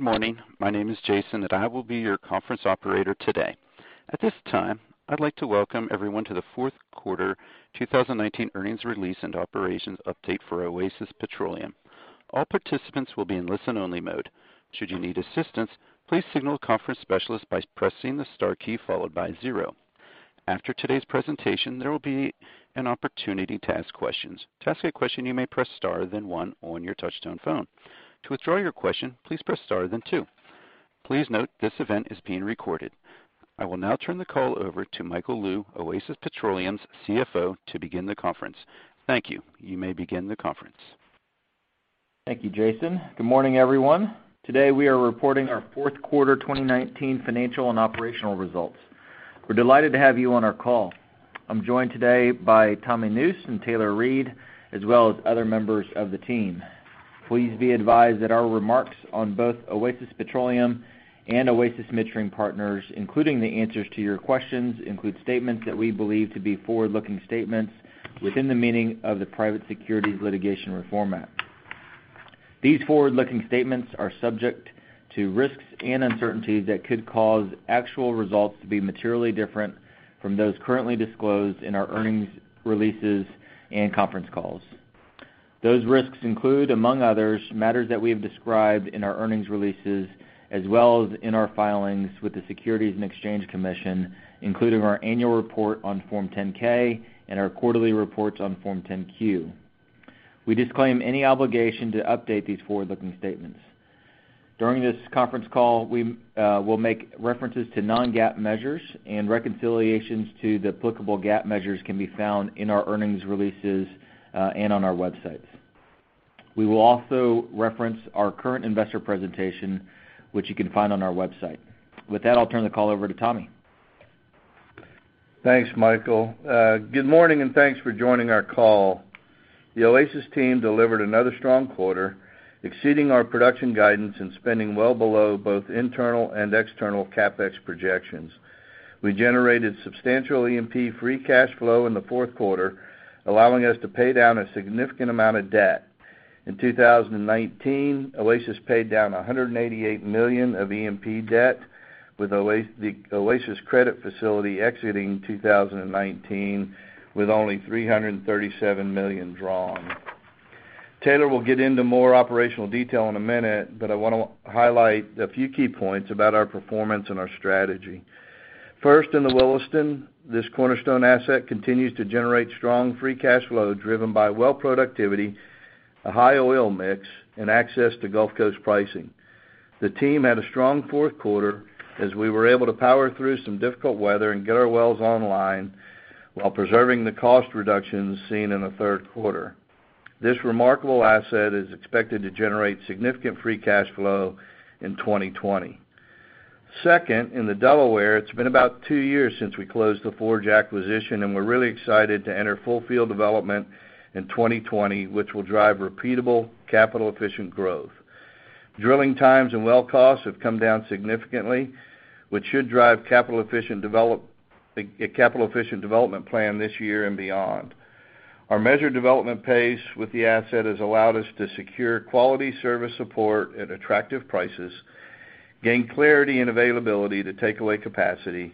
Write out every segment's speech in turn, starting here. Good morning. My name is Jason, and I will be your conference operator today. At this time, I'd like to welcome everyone to the fourth quarter 2019 earnings release and operations update for Oasis Petroleum. All participants will be in listen-only mode. Should you need assistance, please signal the conference specialist by pressing the star key followed by zero. After today's presentation, there will be an opportunity to ask questions. To ask a question, you may press star, then one on your touch-tone phone. To withdraw your question, please press star, then two. Please note, this event is being recorded. I will now turn the call over to Michael Lou, Oasis Petroleum's CFO, to begin the conference. Thank you. You may begin the conference. Thank you, Jason. Good morning, everyone. Today, we are reporting our fourth quarter 2019 financial and operational results. We're delighted to have you on our call. I'm joined today by Tommy Nusz and Taylor Reid, as well as other members of the team. Please be advised that our remarks on both Oasis Petroleum and Oasis Midstream Partners, including the answers to your questions, include statements that we believe to be forward-looking statements within the meaning of the Private Securities Litigation Reform Act. These forward-looking statements are subject to risks and uncertainties that could cause actual results to be materially different from those currently disclosed in our earnings releases and conference calls. Those risks include, among others, matters that we have described in our earnings releases, as well as in our filings with the Securities and Exchange Commission, including our annual report on Form 10-K and our quarterly reports on Form 10-Q. We disclaim any obligation to update these forward-looking statements. During this conference call, we will make references to non-GAAP measures and reconciliations to the applicable GAAP measures can be found in our earnings releases, and on our websites. We will also reference our current investor presentation, which you can find on our website. With that, I'll turn the call over to Tommy. Thanks, Michael. Good morning, and thanks for joining our call. The Oasis team delivered another strong quarter, exceeding our production guidance and spending well below both internal and external CapEx projections. We generated substantial E&P free cash flow in the fourth quarter, allowing us to pay down a significant amount of debt. In 2019, Oasis paid down $188 million of E&P debt, with the Oasis Credit Facility exiting 2019 with only $337 million drawn. Taylor will get into more operational detail in a minute, but I want to highlight a few key points about our performance and our strategy. First, in the Williston, this cornerstone asset continues to generate strong free cash flow driven by well productivity, a high oil mix, and access to Gulf Coast pricing. The team had a strong fourth quarter as we were able to power through some difficult weather and get our wells online while preserving the cost reductions seen in the third quarter. This remarkable asset is expected to generate significant free cash flow in 2020. Second, in the Delaware, it's been about two years since we closed the Forge acquisition, and we're really excited to enter full field development in 2020, which will drive repeatable capital-efficient growth. Drilling times and well costs have come down significantly, which should drive a capital-efficient development plan this year and beyond. Our measured development pace with the asset has allowed us to secure quality service support at attractive prices, gain clarity and availability to take away capacity,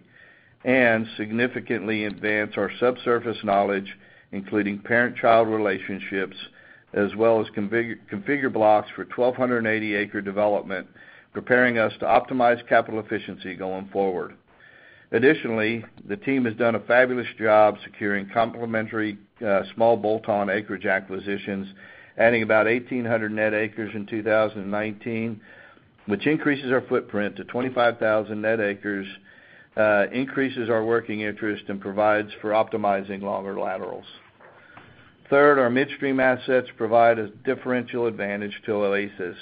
and significantly advance our subsurface knowledge, including parent-child relationships, as well as configure blocks for 1,280 acre development, preparing us to optimize capital efficiency going forward. Additionally, the team has done a fabulous job securing complementary small bolt-on acreage acquisitions, adding about 1,800 net acres in 2019, which increases our footprint to 25,000 net acres, increases our working interest, and provides for optimizing longer laterals. Third, our midstream assets provide a differential advantage to Oasis.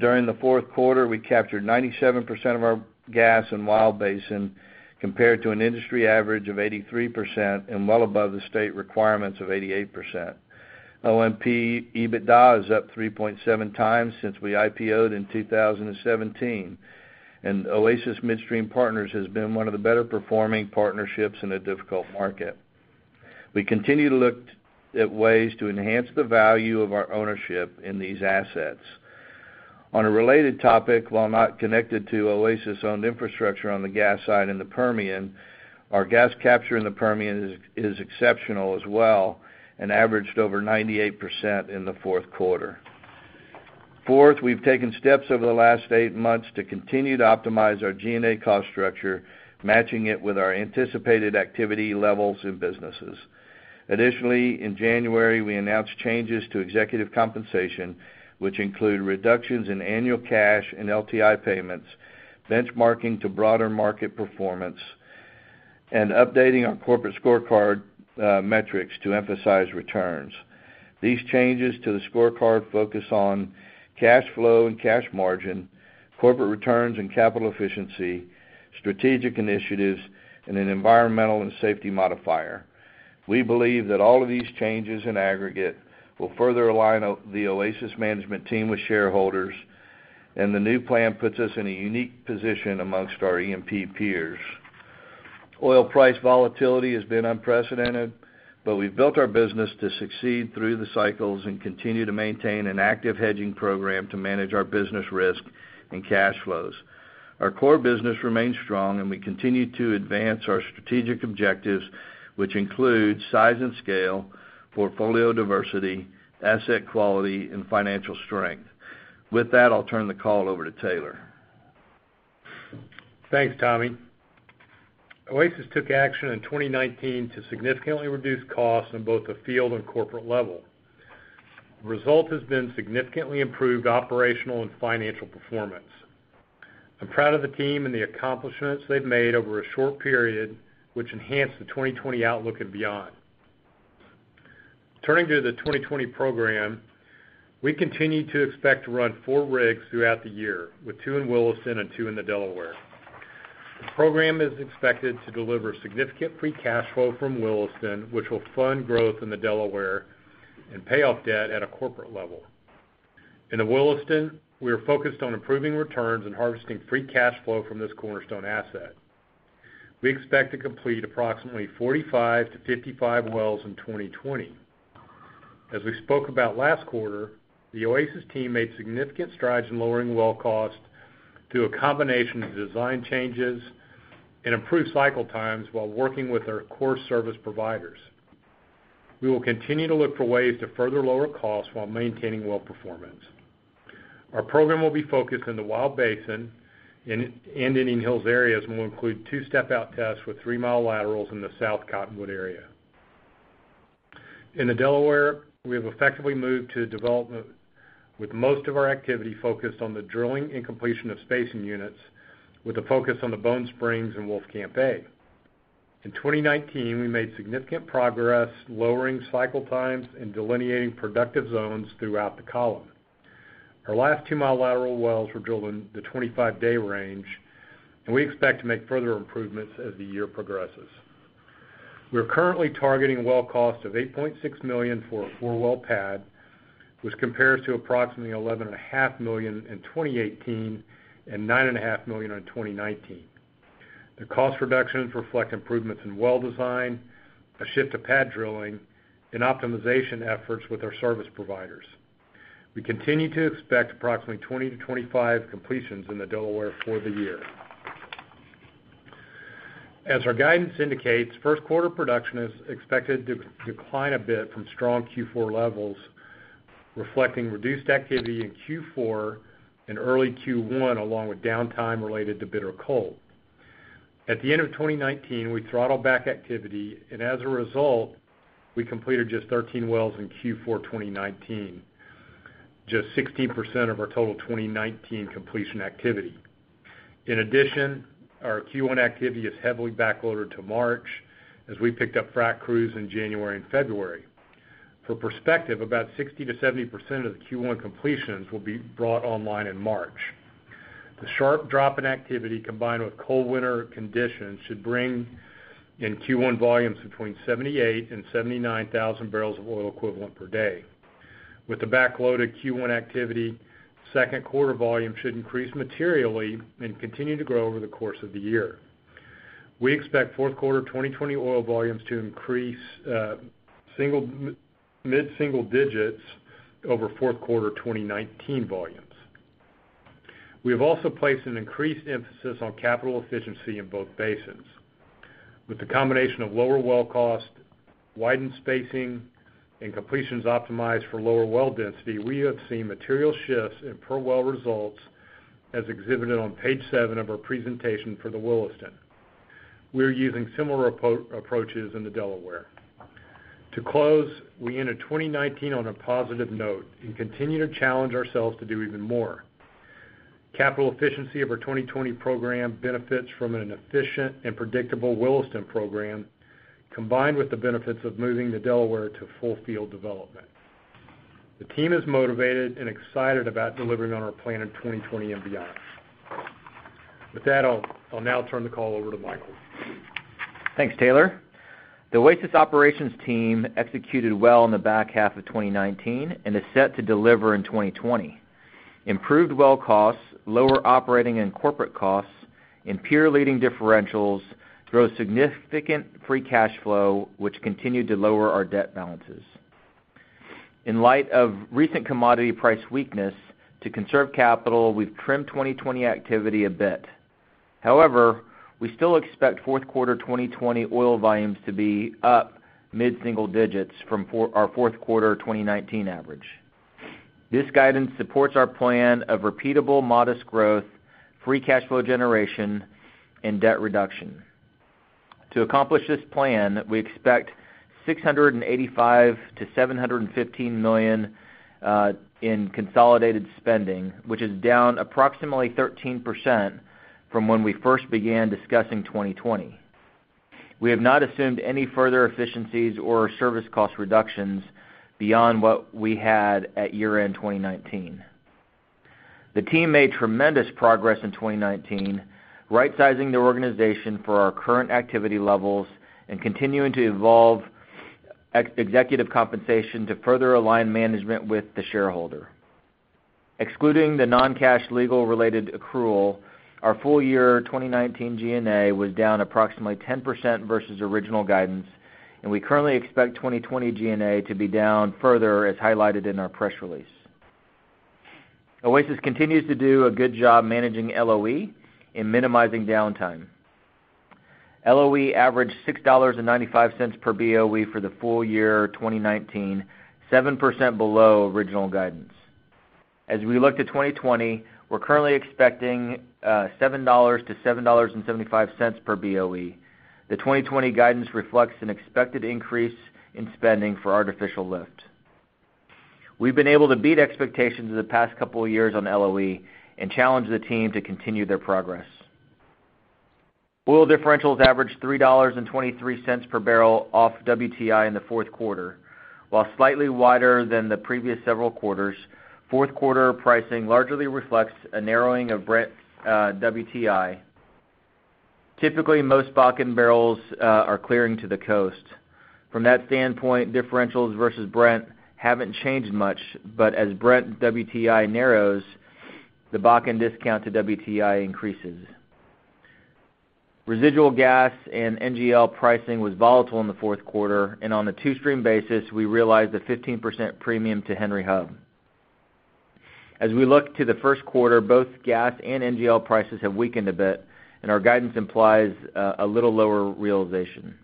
During the fourth quarter, we captured 97% of our gas in Wild Basin, compared to an industry average of 83% and well above the state requirements of 88%. OMP EBITDA is up 3.7x since we IPO'd in 2017, and Oasis Midstream Partners has been one of the better-performing partnerships in a difficult market. We continue to look at ways to enhance the value of our ownership in these assets. On a related topic, while not connected to Oasis-owned infrastructure on the gas side in the Permian, our gas capture in the Permian is exceptional as well and averaged over 98% in the fourth quarter. Fourth, we've taken steps over the last eight months to continue to optimize our G&A cost structure, matching it with our anticipated activity levels and businesses. Additionally, in January, we announced changes to executive compensation, which include reductions in annual cash and LTI payments, benchmarking to broader market performance, and updating our corporate scorecard metrics to emphasize returns. These changes to the scorecard focus on cash flow and cash margin, corporate returns and capital efficiency, strategic initiatives, and an environmental and safety modifier. We believe that all of these changes in aggregate will further align the Oasis management team with shareholders, and the new plan puts us in a unique position amongst our E&P peers. Oil price volatility has been unprecedented, but we've built our business to succeed through the cycles and continue to maintain an active hedging program to manage our business risk and cash flows. Our core business remains strong, and we continue to advance our strategic objectives, which include size and scale, portfolio diversity, asset quality, and financial strength. With that, I'll turn the call over to Taylor. Thanks, Tommy. Oasis took action in 2019 to significantly reduce costs in both the field and corporate level. The result has been significantly improved operational and financial performance. I'm proud of the team and the accomplishments they've made over a short period, which enhanced the 2020 outlook and beyond. Turning to the 2020 program, we continue to expect to run four rigs throughout the year, with two in Williston and two in the Delaware. The program is expected to deliver significant free cash flow from Williston, which will fund growth in the Delaware and pay off debt at a corporate level. In the Williston, we are focused on improving returns and harvesting free cash flow from this cornerstone asset. We expect to complete approximately 45-55 wells in 2020. As we spoke about last quarter, the Oasis team made significant strides in lowering well cost through a combination of design changes and improved cycle times while working with our core service providers. We will continue to look for ways to further lower costs while maintaining well performance. Our program will be focused in the Wild Basin and Indian Hills areas and will include two step-out tests with 3 mi laterals in the South Cottonwood area. In the Delaware, we have effectively moved to development with most of our activity focused on the drilling and completion of spacing units, with a focus on the Bone Springs and Wolfcamp A. In 2019, we made significant progress lowering cycle times and delineating productive zones throughout the column. Our last 2 mi lateral wells were drilled in the 25-day range, and we expect to make further improvements as the year progresses. We are currently targeting well costs of $8.6 million for a four-well pad, which compares to approximately $11.5 million in 2018 and $9.5 million in 2019. The cost reductions reflect improvements in well design, a shift to pad drilling, and optimization efforts with our service providers. We continue to expect approximately 20-25 completions in the Delaware for the year. As our guidance indicates, first quarter production is expected to decline a bit from strong Q4 levels, reflecting reduced activity in Q4 and early Q1, along with downtime related to bitter cold. At the end of 2019, we throttled back activity, as a result, we completed just 13 wells in Q4 2019, just 16% of our total 2019 completion activity. In addition, our Q1 activity is heavily backloaded to March as we picked up frac crews in January and February. For perspective, about 60%-70% of the Q1 completions will be brought online in March. The sharp drop in activity, combined with cold winter conditions, should bring in Q1 volumes between 78,000 and 79,000 barrels of oil equivalent per day. With the backloaded Q1 activity, second quarter volume should increase materially and continue to grow over the course of the year. We expect fourth quarter 2020 oil volumes to increase mid-single digits over fourth quarter 2019 volumes. We have also placed an increased emphasis on capital efficiency in both basins. With the combination of lower well cost, widened spacing, and completions optimized for lower well density, we have seen material shifts in per-well results, as exhibited on page seven of our presentation for the Williston. We are using similar approaches in the Delaware. To close, we end a 2019 on a positive note and continue to challenge ourselves to do even more. Capital efficiency of our 2020 program benefits from an efficient and predictable Williston program, combined with the benefits of moving the Delaware to full field development. The team is motivated and excited about delivering on our plan in 2020 and beyond. With that, I'll now turn the call over to Michael. Thanks, Taylor. The Oasis operations team executed well in the back half of 2019 and is set to deliver in 2020. Improved well costs, lower operating and corporate costs, and peer-leading differentials grow significant free cash flow, which continued to lower our debt balances. In light of recent commodity price weakness, to conserve capital, we've trimmed 2020 activity a bit. However, we still expect fourth quarter 2020 oil volumes to be up mid-single digits from our fourth quarter 2019 average. This guidance supports our plan of repeatable modest growth, free cash flow generation, and debt reduction. To accomplish this plan, we expect $685 million-$715 million in consolidated spending, which is down approximately 13% from when we first began discussing 2020. We have not assumed any further efficiencies or service cost reductions beyond what we had at year-end 2019. The team made tremendous progress in 2019, rightsizing the organization for our current activity levels and continuing to evolve executive compensation to further align management with the shareholder. Excluding the non-cash legal related accrual, our full year 2019 G&A was down approximately 10% versus original guidance, and we currently expect 2020 G&A to be down further, as highlighted in our press release. Oasis continues to do a good job managing LOE and minimizing downtime. LOE averaged $6.95 per BOE for the full year 2019, 7% below original guidance. As we look to 2020, we're currently expecting $7-$7.75 per BOE. The 2020 guidance reflects an expected increase in spending for artificial lift. We've been able to beat expectations the past couple of years on LOE and challenge the team to continue their progress. Oil differentials averaged $3.23 per barrel off WTI in the fourth quarter. While slightly wider than the previous several quarters, fourth quarter pricing largely reflects a narrowing of Brent-WTI. Typically, most Bakken barrels are clearing to the coast. From that standpoint, differentials versus Brent haven't changed much. As Brent-WTI narrows, the Bakken discount to WTI increases. Residual gas and NGL pricing was volatile in the fourth quarter, and on a two-stream basis, we realized a 15% premium to Henry Hub. As we look to the first quarter, both gas and NGL prices have weakened a bit, and our guidance implies a little lower realization.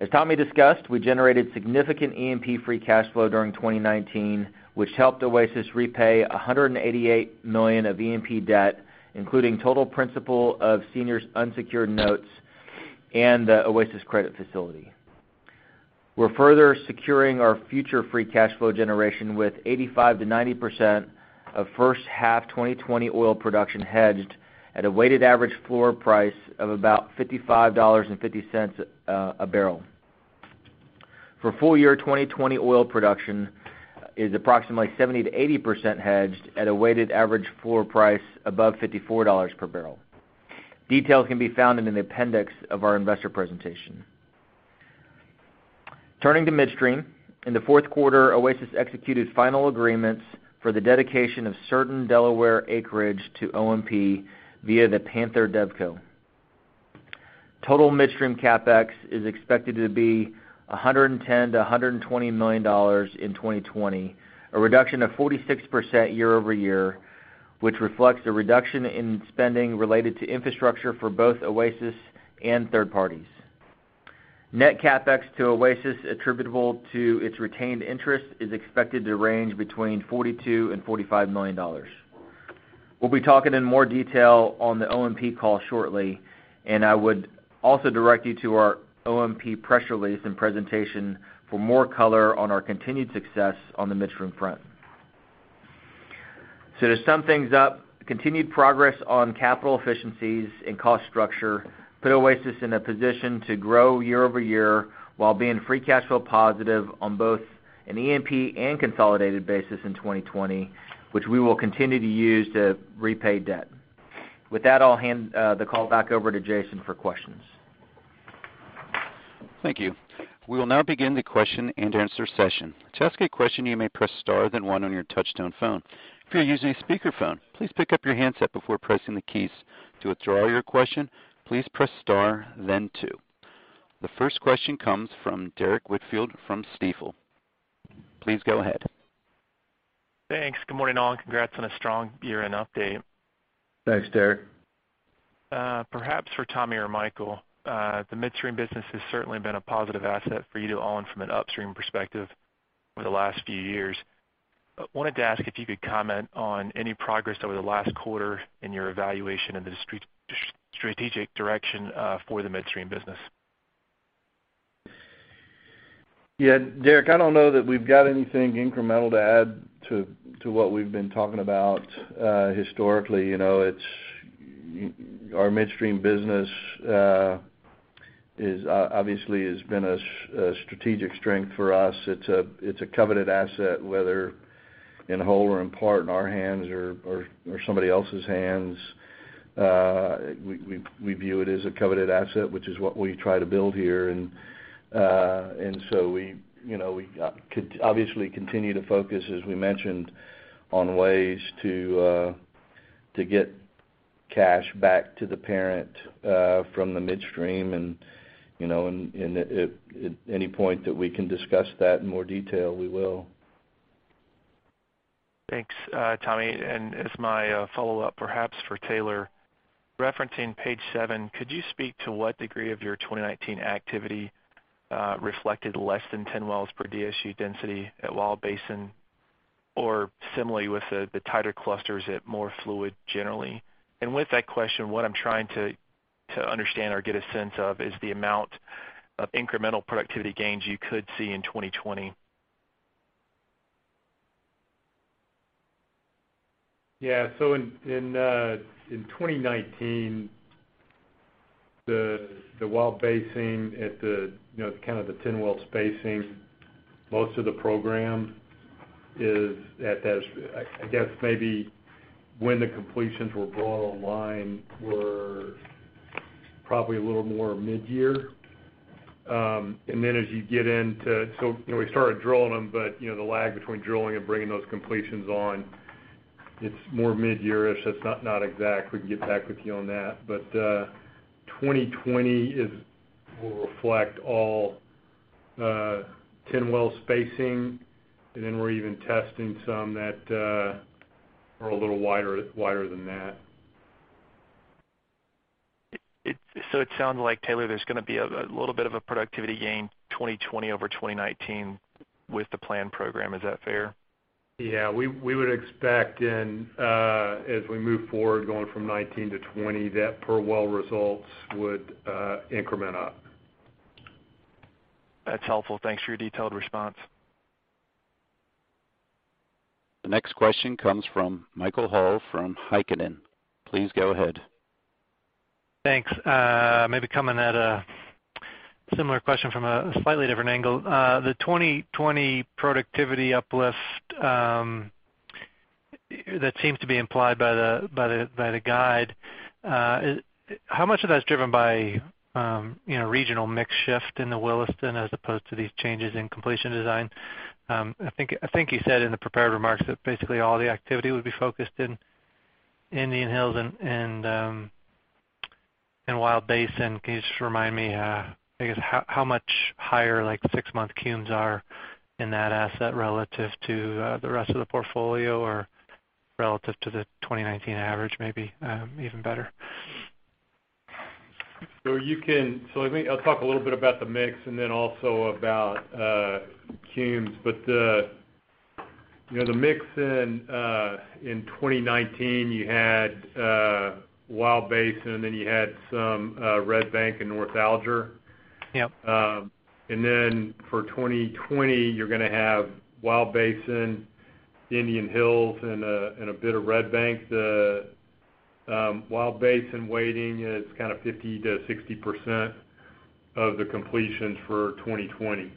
As Tommy discussed, we generated significant E&P free cash flow during 2019, which helped Oasis repay $188 million of E&P debt, including total principal of seniors' unsecured notes and the Oasis Credit Facility. We're further securing our future free cash flow generation with 85%-90% of first half 2020 oil production hedged at a weighted average floor price of about $55.50 a barrel. For full year 2020 oil production is approximately 70%-80% hedged at a weighted average floor price above $54 per barrel. Details can be found in the appendix of our investor presentation. Turning to midstream. In the fourth quarter, Oasis executed final agreements for the dedication of certain Delaware acreage to OMP via the Panther DevCo. Total midstream CapEx is expected to be $110 million-$120 million in 2020, a reduction of 46% year-over-year, which reflects a reduction in spending related to infrastructure for both Oasis and third parties. Net CapEx to Oasis attributable to its retained interest is expected to range between $42 million and $45 million. We will be talking in more detail on the OMP call shortly, and I would also direct you to our OMP press release and presentation for more color on our continued success on the midstream front. To sum things up, continued progress on capital efficiencies and cost structure put Oasis in a position to grow year-over-year while being free cash flow positive on both an E&P and consolidated basis in 2020, which we will continue to use to repay debt. With that, I'll hand the call back over to Jason for questions. Thank you. We will now begin the question-and-answer session. To ask a question, you may press star, then one on your touchtone phone. If you're using a speakerphone, please pick up your handset before pressing the keys. To withdraw your question, please press star, then two. The first question comes from Derrick Whitfield from Stifel. Please go ahead. Thanks. Good morning, all. Congrats on a strong year-end update. Thanks, Derrick. Perhaps for Tommy or Michael, the midstream business has certainly been a positive asset for you to own from an upstream perspective over the last few years. Wanted to ask if you could comment on any progress over the last quarter in your evaluation of the strategic direction for the midstream business. Yeah, Derrick, I don't know that we've got anything incremental to add to what we've been talking about historically. Our midstream business obviously has been a strategic strength for us. It's a coveted asset, whether in whole or in part in our hands or somebody else's hands. We view it as a coveted asset, which is what we try to build here. We obviously continue to focus, as we mentioned, on ways to get cash back to the parent from the midstream. At any point that we can discuss that in more detail, we will. Thanks, Tommy. As my follow-up, perhaps for Taylor, referencing page seven, could you speak to what degree of your 2019 activity reflected less than 10 wells per DSU density at Wild Basin or similarly with the tighter clusters at more fluid generally? With that question, what I'm trying to understand or get a sense of is the amount of incremental productivity gains you could see in 2020. In 2019, the Wild Basin at the kind of the 10-well spacing, most of the program is at that I guess maybe when the completions were brought online were probably a little more mid-year. As you get into, we started drilling them, but the lag between drilling and bringing those completions on, it's more mid-year-ish. That's not exact. We can get back with you on that. 2020 will reflect all 10-well spacing, and then we're even testing some that are a little wider than that. It sounds like, Taylor, there's going to be a little bit of a productivity gain 2020 over 2019 with the planned program. Is that fair? Yeah. We would expect as we move forward going from 2019 to 2020, that per well results would increment up. That's helpful. Thanks for your detailed response. The next question comes from Michael Hall from Heikkinen. Please go ahead. Thanks. Maybe coming at a similar question from a slightly different angle. The 2020 productivity uplift that seems to be implied by the guide, how much of that is driven by regional mix shift in the Williston as opposed to these changes in completion design? I think you said in the prepared remarks that basically all the activity would be focused in Indian Hills and Wild Basin. Can you just remind me, I guess, how much higher six-month CUMs are in that asset relative to the rest of the portfolio or relative to the 2019 average, maybe? Even better. I'll talk a little bit about the mix and then also about CUMs. The mix in 2019, you had Wild Basin, then you had some Red Bank and North Alger. Yep. For 2020, you're going to have Wild Basin, Indian Hills, and a bit of Red Bank. The Wild Basin weighting is kind of 50%-60% of the completions for 2020.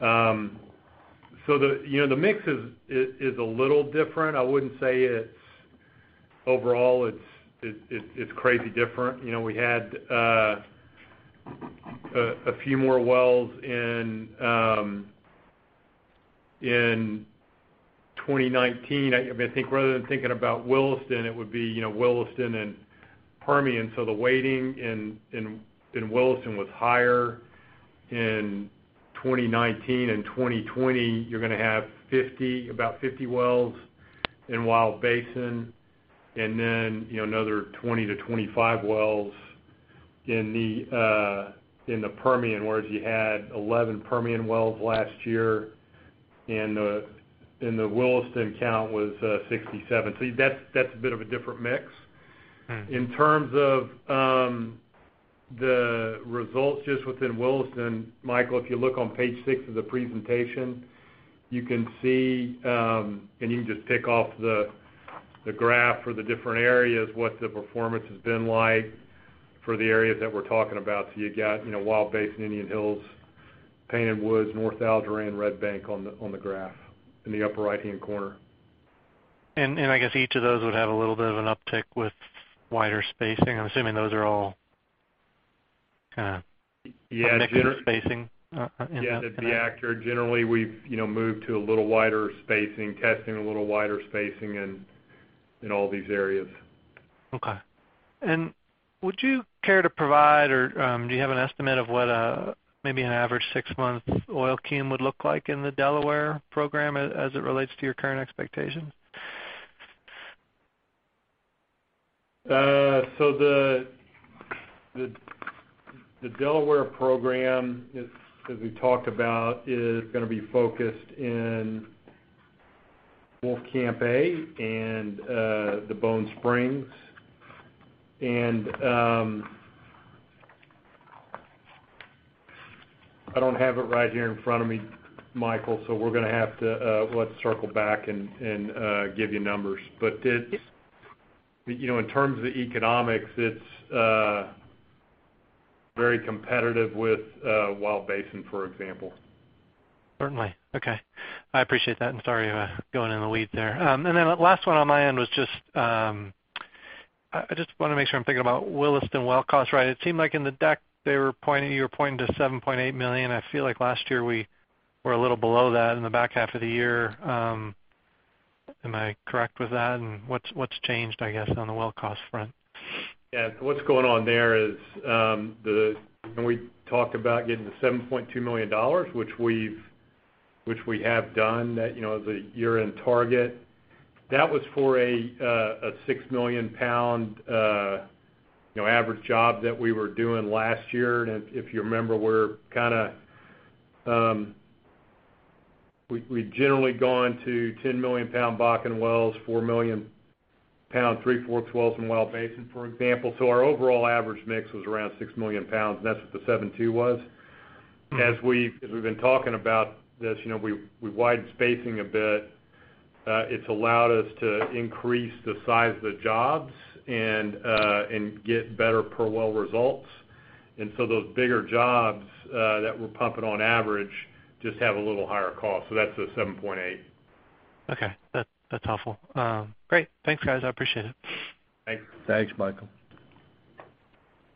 The mix is a little different. I wouldn't say overall it's crazy different. We had a few more wells in 2019. Rather than thinking about Williston, it would be Williston and Permian. The weighting in Williston was higher in 2019. In 2020, you're going to have about 50 wells in Wild Basin and then another 20-25 wells in the Permian, whereas you had 11 Permian wells last year, and the Williston count was 67. That's a bit of a different mix. In terms of the results just within Williston, Michael, if you look on page six of the presentation, you can see, and you can just pick off the graph for the different areas, what the performance has been like for the areas that we're talking about. You got Wild Basin, Indian Hills, Painted Woods, North Alger, and Red Bank on the graph in the upper right-hand corner. I guess each of those would have a little bit of an uptick with wider spacing. I'm assuming those are all. Yeah. A mix of spacing in the- Yeah, that'd be accurate. Generally, we've moved to a little wider spacing, testing a little wider spacing in all these areas. Okay. Would you care to provide, or do you have an estimate of what maybe an average six-month oil CUM would look like in the Delaware program as it relates to your current expectations? The Delaware program, as we talked about, is going to be focused in Wolfcamp A and the Bone Springs. I don't have it right here in front of me, Michael, so let's circle back and give you numbers. Yep In terms of the economics, it's very competitive with Wild Basin, for example. Certainly. Okay. I appreciate that, and sorry about going in the weeds there. Last one on my end was just, I just want to make sure I'm thinking about Williston well cost right? It seemed like in the deck, you were pointing to $7.8 million. I feel like last year we were a little below that in the back half of the year. Am I correct with that, and what's changed, I guess, on the well cost front? Yeah. What's going on there is when we talk about getting to $7.2 million, which we have done. That is a year-end target. That was for a 6 million pound average job that we were doing last year. If you remember, we'd generally gone to 10 million pound Bakken wells, 4 million pound, 3 million, 4 million, 12 million pound wells in Wild Basin, for example. Our overall average mix was around 6 million pounds, and that's what the $7.2 million was. As we've been talking about this, we widened spacing a bit. It's allowed us to increase the size of the jobs and get better per well results. Those bigger jobs that we're pumping on average just have a little higher cost. That's the $7.8 million. Okay. That's helpful. Great. Thanks, guys. I appreciate it. Thanks. Thanks, Michael.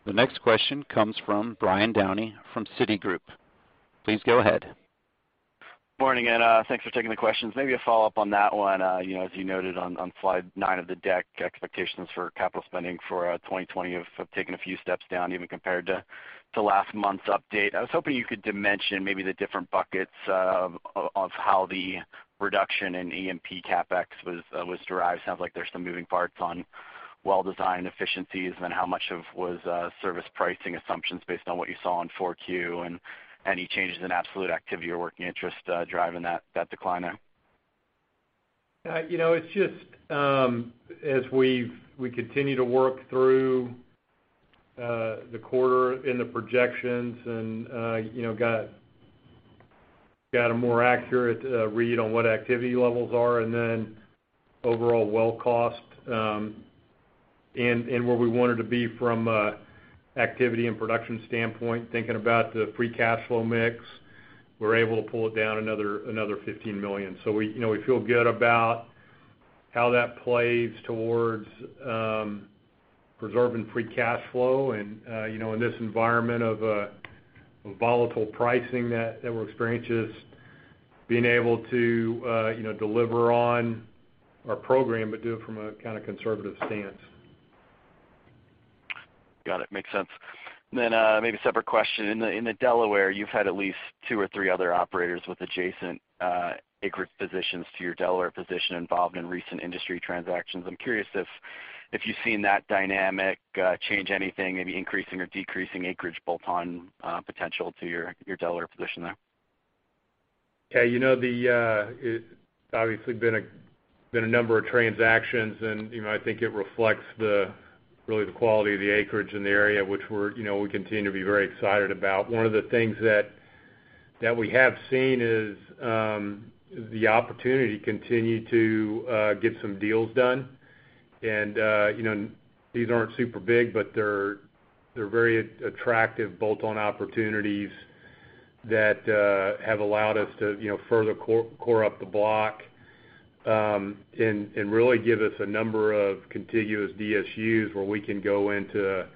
The next question comes from Brian Downey from Citigroup. Please go ahead. Morning, thanks for taking the questions. Maybe a follow-up on that one. As you noted on slide nine of the deck, expectations for capital spending for 2020 have taken a few steps down even compared to last month's update. I was hoping you could dimension maybe the different buckets of how the reduction in E&P CapEx was derived. Sounds like there's some moving parts on well design efficiencies, how much of was service pricing assumptions based on what you saw in 4Q, and any changes in absolute activity or working interest driving that decline there? It's just as we continue to work through the quarter in the projections and got a more accurate read on what activity levels are and then overall well cost, and where we wanted to be from activity and production standpoint, thinking about the free cash flow mix, we're able to pull it down another $15 million. We feel good about how that plays towards preserving free cash flow and, in this environment of volatile pricing that we're experiencing, just being able to deliver on our program but do it from a conservative stance. Got it. Makes sense. Maybe a separate question. In the Delaware, you've had at least two or three other operators with adjacent acreage positions to your Delaware position involved in recent industry transactions. I'm curious if you've seen that dynamic change anything, maybe increasing or decreasing acreage bolt-on potential to your Delaware position there. Yeah. Obviously, been a number of transactions, and I think it reflects really the quality of the acreage in the area, which we continue to be very excited about. One of the things that we have seen is the opportunity to continue to get some deals done. These aren't super big, but they're very attractive bolt-on opportunities that have allowed us to further core up the block, and really give us a number of contiguous DSUs where we can go into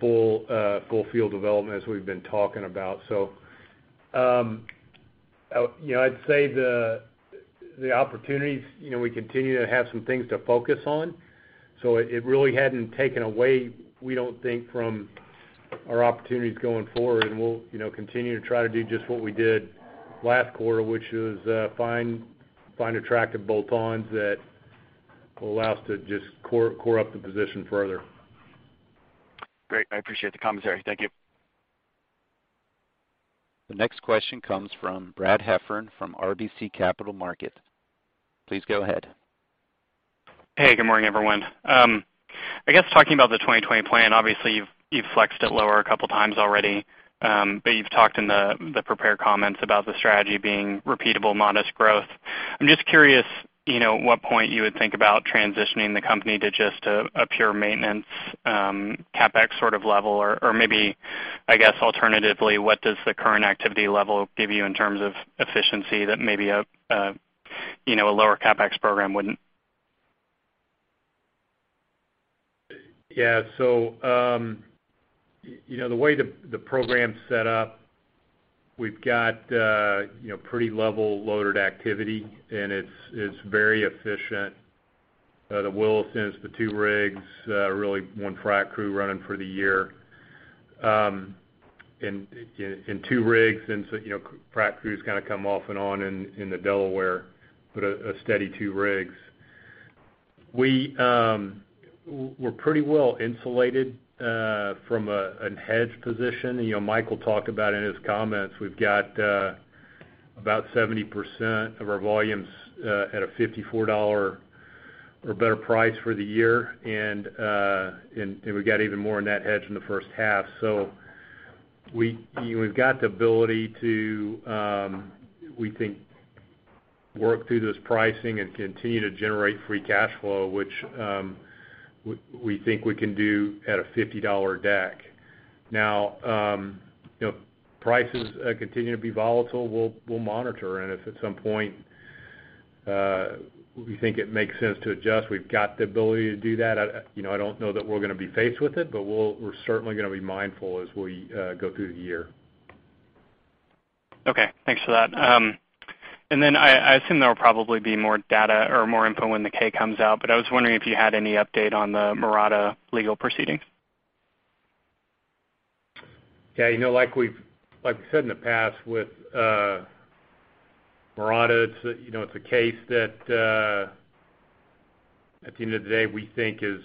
full field development as we've been talking about. I'd say the opportunities, we continue to have some things to focus on. It really hadn't taken away, we don't think, from our opportunities going forward, and we'll continue to try to do just what we did last quarter, which is find attractive bolt-ons that will allow us to just core up the position further. Great. I appreciate the commentary. Thank you. The next question comes from Brad Heffern from RBC Capital Markets. Please go ahead. Hey, good morning, everyone. I guess talking about the 2020 plan, obviously, you've flexed it lower a couple of times already. You've talked in the prepared comments about the strategy being repeatable modest growth. I'm just curious, at what point you would think about transitioning the company to just a pure maintenance CapEx sort of level? Maybe, I guess alternatively, what does the current activity level give you in terms of efficiency that maybe a lower CapEx program wouldn't? The way the program's set up, we've got pretty level loaded activity. It's very efficient. The Williston, it's the two rigs, really one frac crew running for the year. Two rigs since frac crews come off and on in the Delaware, but a steady two rigs. We're pretty well insulated from a hedge position. Michael will talk about in his comments, we've got about 70% of our volumes at a $54 or better price for the year. We got even more in that hedge in the first half. We've got the ability to, we think, work through this pricing and continue to generate free cash flow, which we think we can do at a $50 deck. Prices continue to be volatile. We'll monitor. If at some point we think it makes sense to adjust, we've got the ability to do that. I don't know that we're going to be faced with it, but we're certainly going to be mindful as we go through the year. Okay. Thanks for that. I assume there will probably be more data or more info when the K comes out, but I was wondering if you had any update on the Mirada legal proceedings? Yeah. Like we've said in the past with Mirada, it's a case that at the end of the day we think is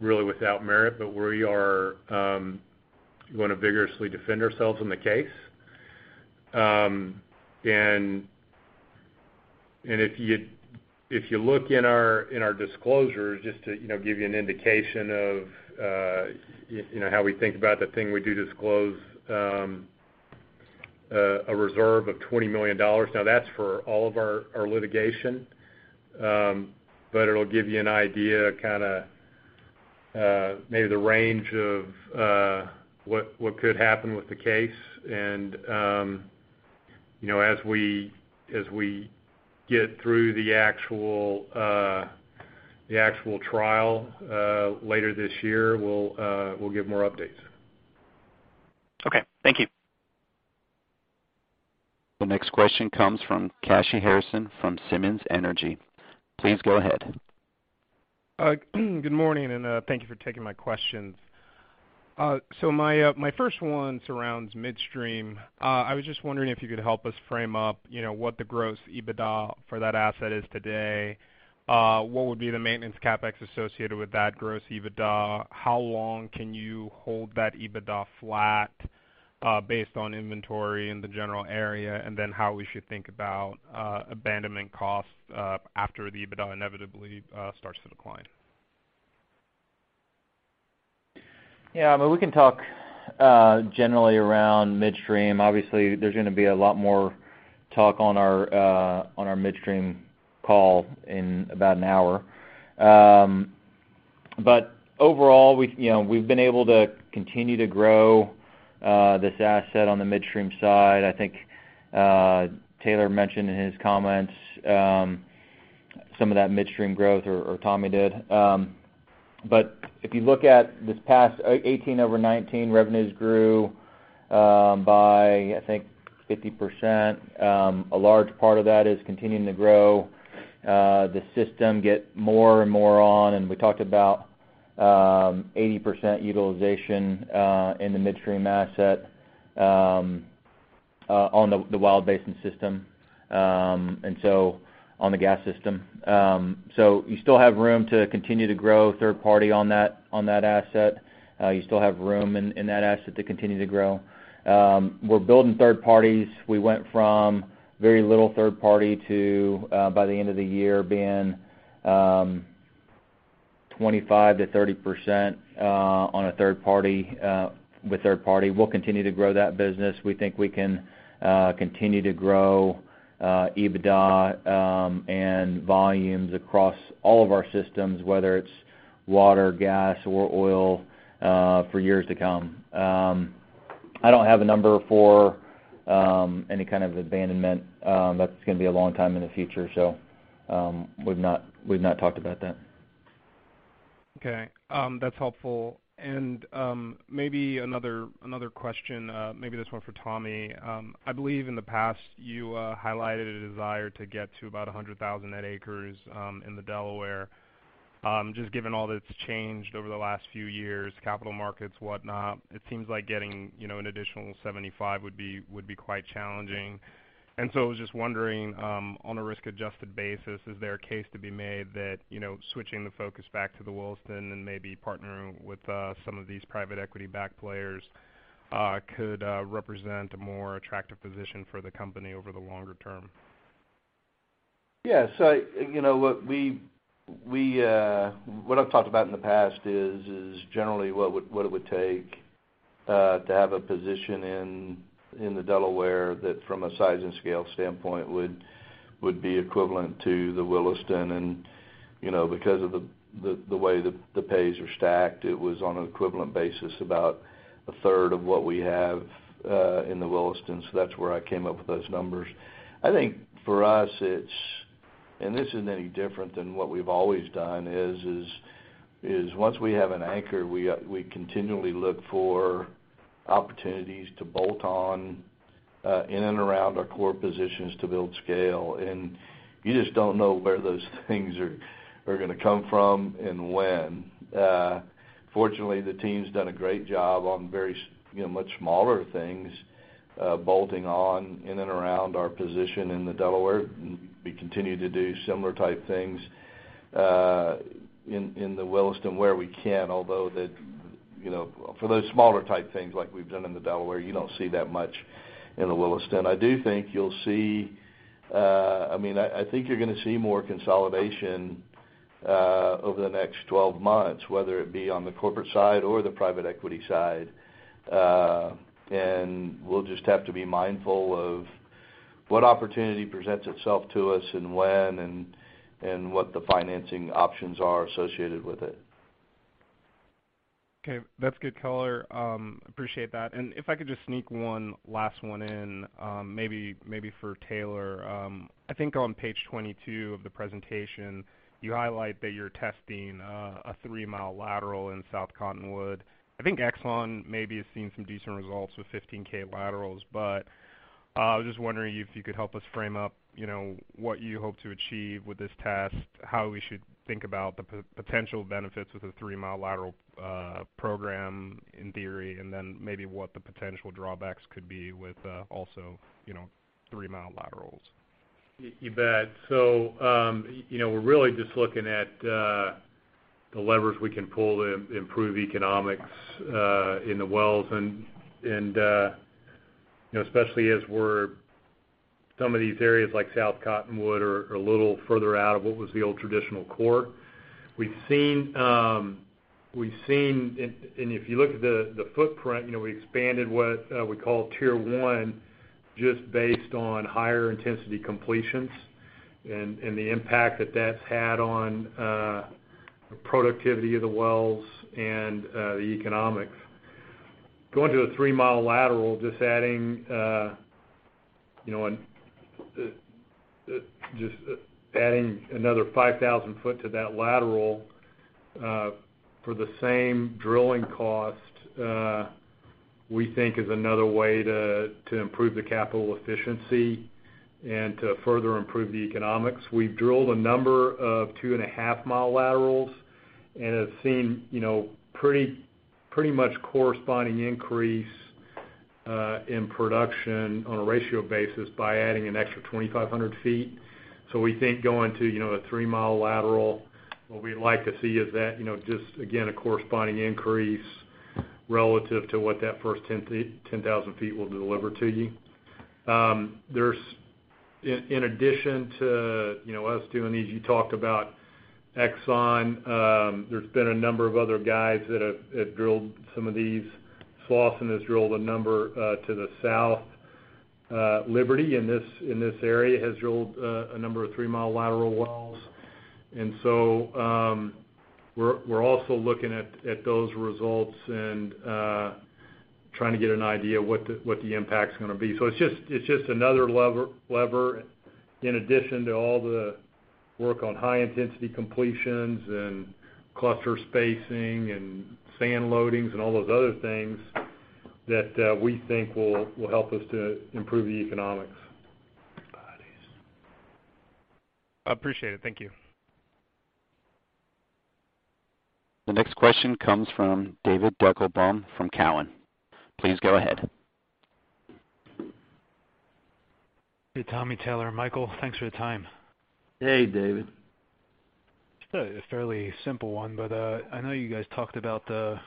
really without merit, but we are going to vigorously defend ourselves in the case. If you look in our disclosures, just to give you an indication of how we think about the thing, we do disclose a reserve of $20 million. Now, that's for all of our litigation, but it'll give you an idea, kind ofMaybe the range of what could happen with the case. As we get through the actual trial later this year, we'll give more updates. Okay. Thank you. The next question comes from Kashy Harrison from Simmons Energy. Please go ahead. Good morning, thank you for taking my questions. My first one surrounds midstream. I was just wondering if you could help us frame up what the gross EBITDA for that asset is today? What would be the maintenance CapEx associated with that gross EBITDA? How long can you hold that EBITDA flat based on inventory in the general area? How we should think about abandonment costs after the EBITDA inevitably starts to decline. Yeah. We can talk generally around midstream. Obviously, there's going to be a lot more talk on our midstream call in about an hour. Overall, we've been able to continue to grow this asset on the midstream side. I think Taylor mentioned in his comments some of that midstream growth, or Tommy did. If you look at this past 2018 over 2019, revenues grew by, I think, 50%. A large part of that is continuing to grow the system, get more and more on, and we talked about 80% utilization in the midstream asset on the Wild Basin system, on the gas system. You still have room to continue to grow third party on that asset. You still have room in that asset to continue to grow. We're building third parties. We went from very little third party to by the end of the year being 25%-30% with third party. We'll continue to grow that business. We think we can continue to grow EBITDA and volumes across all of our systems, whether it's water, gas, or oil for years to come. I don't have a number for any kind of abandonment. That's going to be a long time in the future, so we've not talked about that. Okay. That's helpful. Maybe another question, maybe this one for Tommy. I believe in the past, you highlighted a desire to get to about 100,000 net acres in the Delaware. Just given all that's changed over the last few years, capital markets, whatnot, it seems like getting an additional 75 would be quite challenging. So I was just wondering, on a risk-adjusted basis, is there a case to be made that switching the focus back to the Williston and maybe partnering with some of these private equity-backed players could represent a more attractive position for the company over the longer term? What I've talked about in the past is generally what it would take to have a position in the Delaware that from a size and scale standpoint, would be equivalent to the Williston. Because of the way the pays are stacked, it was on an equivalent basis about 1/3 of what we have in the Williston. That's where I came up with those numbers. I think for us, and this isn't any different than what we've always done, is once we have an anchor, we continually look for opportunities to bolt on in and around our core positions to build scale. You just don't know where those things are going to come from and when. Fortunately, the team's done a great job on much smaller things bolting on in and around our position in the Delaware. We continue to do similar type things in the Williston where we can. Although for those smaller type things like we've done in the Delaware, you don't see that much in the Williston. I think you're going to see more consolidation over the next 12 months, whether it be on the corporate side or the private equity side. We'll just have to be mindful of what opportunity presents itself to us and when, and what the financing options are associated with it. Okay. That's good color. Appreciate that. If I could just sneak one last one in, maybe for Taylor. I think on page 22 of the presentation, you highlight that you're testing a 3 mi lateral in South Cottonwood. I think Exxon maybe has seen some decent results with 15K laterals. I was just wondering if you could help us frame up what you hope to achieve with this test, how we should think about the potential benefits with a 3 mi lateral program in theory, and then maybe what the potential drawbacks could be with also 3 mi laterals. You bet. We're really just looking at the levers we can pull to improve economics in the wells, and especially as some of these areas like South Cottonwood are a little further out of what was the old traditional core. We've seen, if you look at the footprint, we expanded what we call Tier 1 just based on higher intensity completions. The impact that that's had on productivity of the wells and the economics. Going to a 3 mi lateral, just adding another 5,000 ft to that lateral for the same drilling cost, we think is another way to improve the capital efficiency and to further improve the economics. We've drilled a number of 2.5 mi laterals, and have seen pretty much corresponding increase in production on a ratio basis by adding an extra 2,500 ft. We think going to a 3 mi lateral, what we'd like to see is that, just again, a corresponding increase relative to what that first 10,000 ft will deliver to you. In addition to us doing these, you talked about Exxon. There's been a number of other guys that have drilled some of these. Slawson has drilled a number to the south. Liberty, in this area, has drilled a number of 3 mi lateral wells. We're also looking at those results and trying to get an idea of what the impact's going to be. It's just another lever in addition to all the work on high intensity completions and cluster spacing and sand loadings and all those other things that we think will help us to improve the economics. Appreciate it. Thank you. The next question comes from David Deckelbaum from Cowen. Please go ahead. Hey, Tommy, Taylor, and Michael, thanks for your time. Hey, David. A fairly simple one, but I know you guys talked about the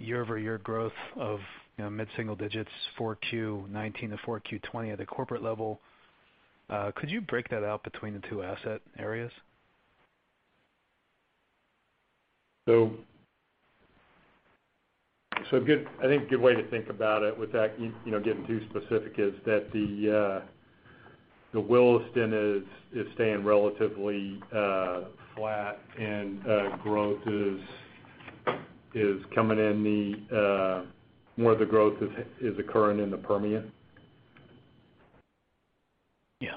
year-over-year growth of mid-single digits 4Q 2019 to 4Q 2020 at the corporate level. Could you break that out between the two asset areas? I think a good way to think about it without getting too specific is that the Williston is staying relatively flat and more of the growth is occurring in the Permian. Yeah.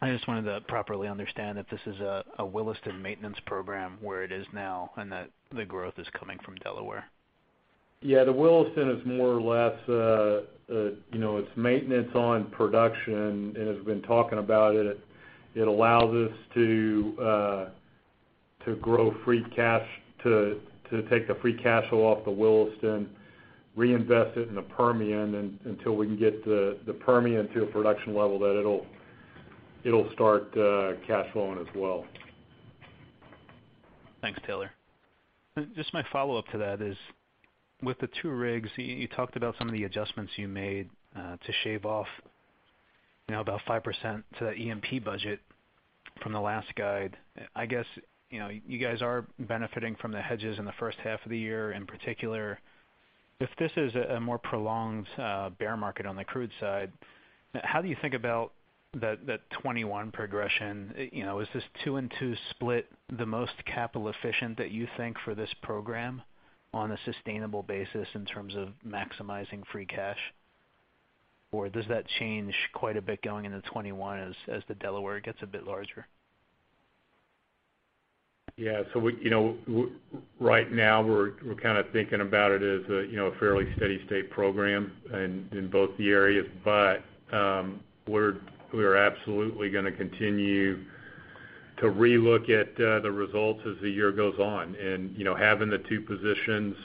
I just wanted to properly understand if this is a Williston maintenance program where it is now and that the growth is coming from Delaware. Yeah, the Williston is more or less, it's maintenance on production. As we've been talking about it allows us to take the free cash flow off the Williston, reinvest it in the Permian until we can get the Permian to a production level that it'll start cash flowing as well. Thanks, Taylor. Just my follow-up to that is, with the two rigs, you talked about some of the adjustments you made to shave off about 5% to that E&P budget from the last guide. I guess you guys are benefiting from the hedges in the first half of the year, in particular. If this is a more prolonged bear market on the crude side, how do you think about that 2021 progression? Is this two and two split the most capital efficient that you think for this program on a sustainable basis in terms of maximizing free cash? Does that change quite a bit going into 2021 as the Delaware gets a bit larger? Yeah. Right now we're kind of thinking about it as a fairly steady state program in both the areas. We are absolutely going to continue to re-look at the results as the year goes on. Having the two positions,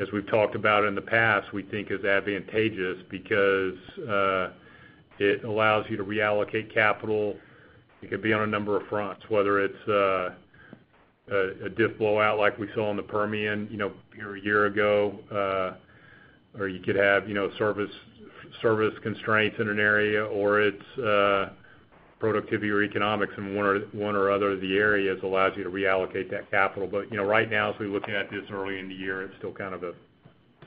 as we've talked about in the past, we think is advantageous because it allows you to reallocate capital. It could be on a number of fronts, whether it's a dip blowout like we saw in the Permian a year ago, or you could have service constraints in an area, or it's productivity or economics in one or other of the areas allows you to reallocate that capital. Right now, as we're looking at this early in the year, it's still kind of a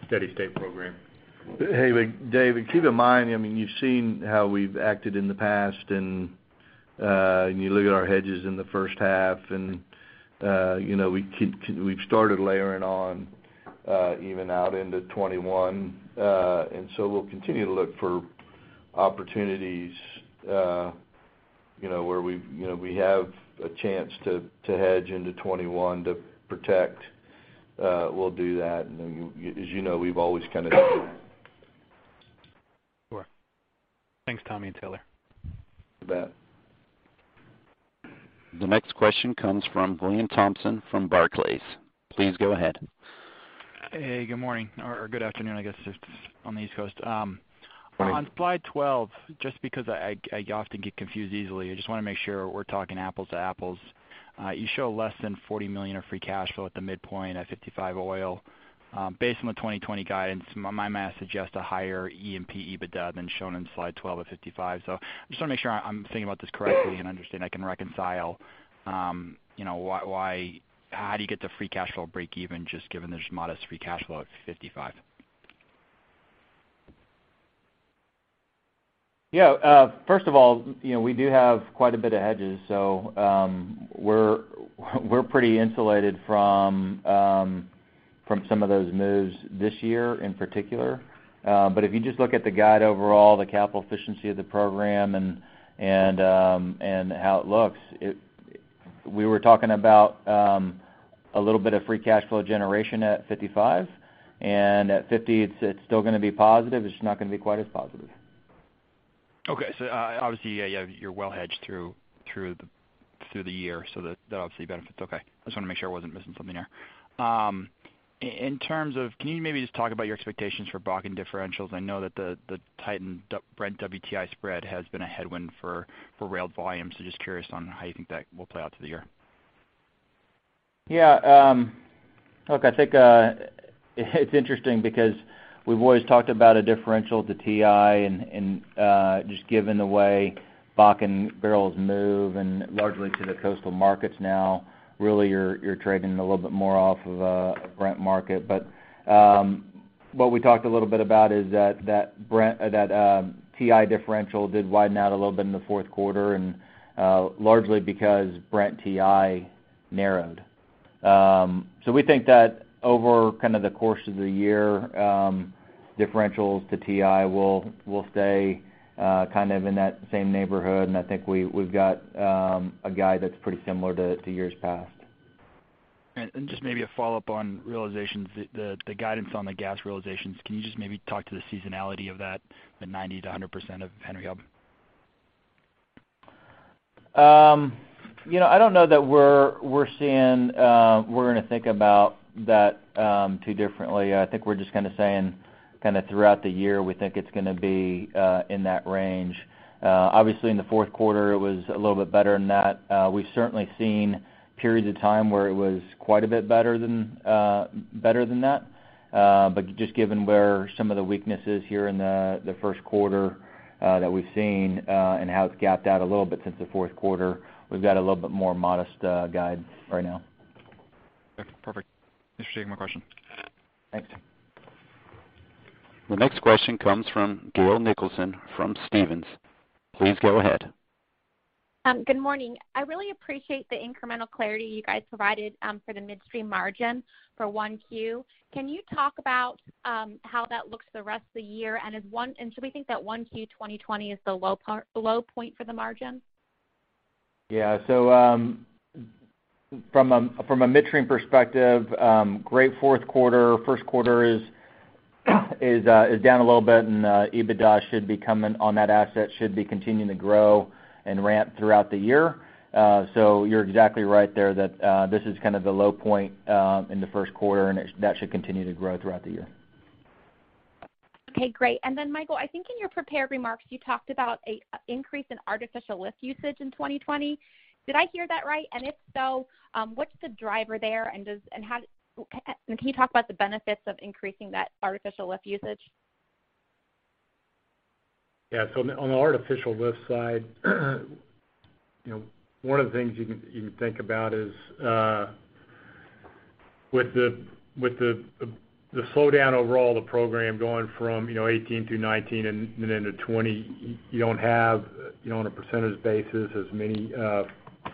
steady state program. Hey David, keep in mind, you've seen how we've acted in the past and you look at our hedges in the first half and we've started layering on even out into 2021. We'll continue to look for opportunities where we have a chance to hedge into 2021 to protect. We'll do that. As you know, we've always done that. Sure. Thanks, Tommy and Taylor. You bet. The next question comes from William Thompson from Barclays. Please go ahead. Hey, good morning or good afternoon, I guess, on the East Coast. Morning. On slide 12, just because I often get confused easily, I just want to make sure we're talking apples to apples. You show less than $40 million of free cash flow at the midpoint at $55 oil. Based on the 2020 guidance, my math suggests a higher E&P EBITDA than shown in slide 12 at $55. I just want to make sure I'm thinking about this correctly and understand I can reconcile how do you get the free cash flow breakeven just given there's modest free cash flow at $55? Yeah. First of all, we do have quite a bit of hedges, so we're pretty insulated from some of those moves this year in particular. If you just look at the guide overall, the capital efficiency of the program and how it looks, we were talking about a little bit of free cash flow generation at $55, and at $50, it's still going to be positive, it's just not going to be quite as positive. Okay. Obviously, you're well hedged through the year, so that obviously benefits. Okay. I just wanted to make sure I wasn't missing something there. Can you maybe just talk about your expectations for Bakken differentials? I know that the tightened Brent WTI spread has been a headwind for rail volumes, so just curious on how you think that will play out through the year. Yeah. Look, I think it's interesting because we've always talked about a differential to TI and just given the way Bakken barrels move and largely to the coastal markets now, really you're trading a little bit more off of a Brent market. What we talked a little bit about is that TI differential did widen out a little bit in the fourth quarter and largely because Brent-TI narrowed. We think that over the course of the year, differentials to TI will stay in that same neighborhood and I think we've got a guide that's pretty similar to years past. Just maybe a follow-up on realizations, the guidance on the gas realizations. Can you just maybe talk to the seasonality of that, the 90%-100% of Henry Hub? I don't know that we're going to think about that too differently. I think we're just saying throughout the year, we think it's going to be in that range. Obviously, in the fourth quarter it was a little bit better than that. We've certainly seen periods of time where it was quite a bit better than that. Just given where some of the weaknesses here in the first quarter that we've seen and how it's gapped out a little bit since the fourth quarter, we've got a little bit more modest guide right now. Okay, perfect. Thanks for taking my question. Thanks. The next question comes from Gail Nicholson from Stephens. Please go ahead. Good morning. I really appreciate the incremental clarity you guys provided for the midstream margin for 1Q. Can you talk about how that looks the rest of the year? Should we think that 1Q 2020 is the low point for the margin? Yeah. From a midstream perspective, great fourth quarter. First quarter is down a little bit, and EBITDA should be coming on that asset should be continuing to grow and ramp throughout the year. You're exactly right there that this is the low point in the first quarter, and that should continue to grow throughout the year. Okay, great. Michael, I think in your prepared remarks, you talked about an increase in artificial lift usage in 2020. Did I hear that right? If so, what's the driver there and can you talk about the benefits of increasing that artificial lift usage? Yeah. On the artificial lift side, one of the things you can think about is with the slowdown overall, the program going from 2018 through 2019 and then into 2020, you don't have, on a percentage basis, as many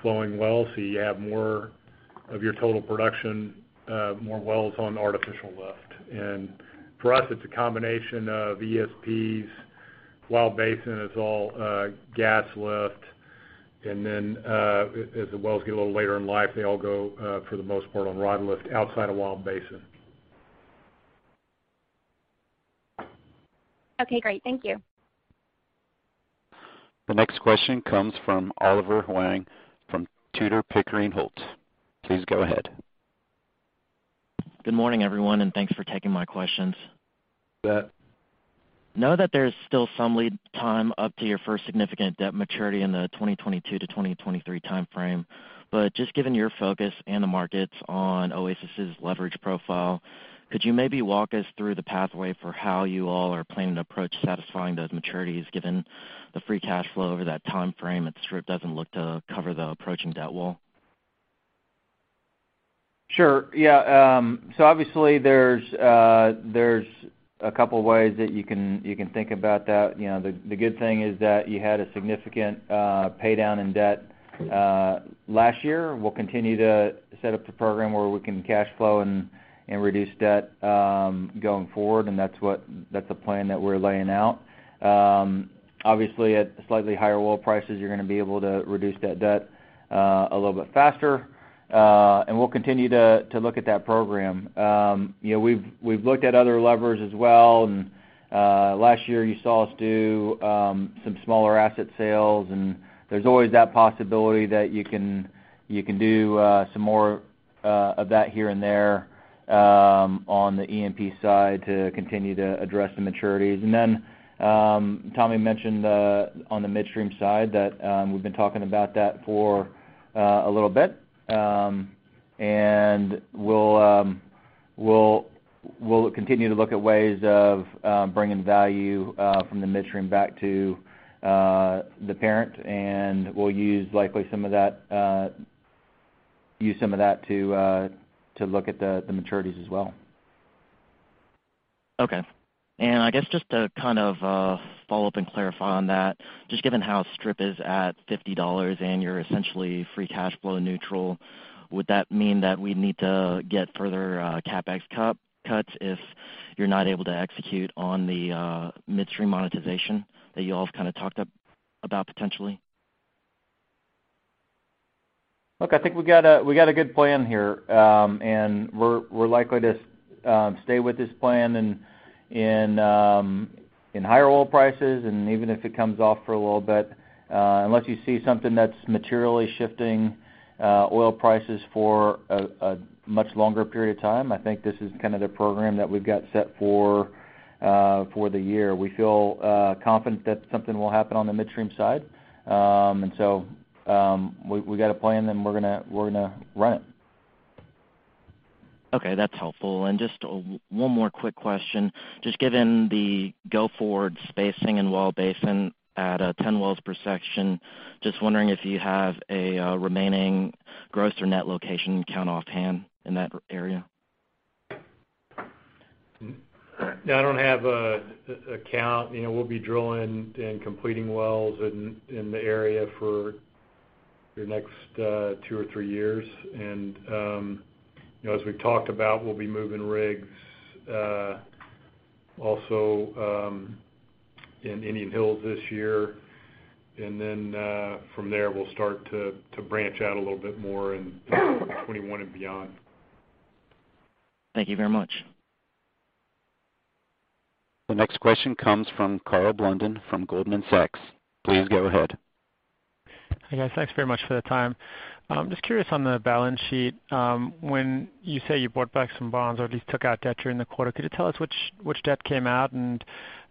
flowing wells, so you have more of your total production, more wells on artificial lift. For us, it's a combination of ESPs. Wild Basin is all gas lift. Then, as the wells get a little later in life, they all go, for the most part, on rod lift outside of Wild Basin. Okay, great. Thank you. The next question comes from Oliver Huang from Tudor, Pickering, Holt. Please go ahead. Good morning everyone, and thanks for taking my questions. You bet. Know that there's still some lead time up to your first significant debt maturity in the 2022 to 2023 timeframe, but just given your focus and the markets on Oasis' leverage profile, could you maybe walk us through the pathway for how you all are planning to approach satisfying those maturities given the free cash flow over that timeframe? It sure doesn't look to cover the approaching debt wall. Sure. Yeah. Obviously, there's a couple of ways that you can think about that. The good thing is that you had a significant pay down in debt last year. We'll continue to set up the program where we can cash flow and reduce debt going forward, and that's a plan that we're laying out. Obviously, at slightly higher oil prices, you're going to be able to reduce that debt a little bit faster. We'll continue to look at that program. We've looked at other levers as well. Last year you saw us do some smaller asset sales, and there's always that possibility that you can do some more of that here and there on the E&P side to continue to address the maturities. Then Tommy mentioned on the midstream side that we've been talking about that for a little bit. We'll continue to look at ways of bringing value from the midstream back to the parent, and we'll use likely some of that to look at the maturities as well. Okay. I guess just to follow up and clarify on that, just given how strip is at $50 and you're essentially free cash flow neutral, would that mean that we'd need to get further CapEx cuts if you're not able to execute on the midstream monetization that you all have talked about potentially? Look, I think we got a good plan here, and we're likely to stay with this plan in higher oil prices and even if it comes off for a little bit. Unless you see something that's materially shifting oil prices for a much longer period of time, I think this is the program that we've got set for the year. We feel confident that something will happen on the midstream side. We've got a plan, and we're going to run it. Okay. That's helpful. Just one more quick question. Just given the go-forward spacing in Wild Basin at 10 wells per section, just wondering if you have a remaining gross or net location count offhand in that area? Yeah, I don't have a count. We'll be drilling and completing wells in the area for the next two or three years. As we've talked about, we'll be moving rigs, also in Indian Hills this year. From there, we'll start to branch out a little bit more in 2021 and beyond. Thank you very much. The next question comes from Karl Blunden from Goldman Sachs. Please go ahead. Hi, guys. Thanks very much for the time. Just curious on the balance sheet, when you say you bought back some bonds or at least took out debt during the quarter, could you tell us which debt came out and